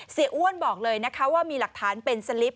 อ้วนบอกเลยนะคะว่ามีหลักฐานเป็นสลิป